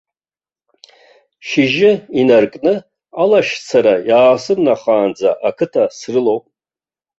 Шьыжьы инаркны алашьцара иаасымнахаанӡа ақыҭа срылоуп.